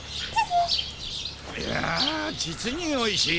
いや実においしい！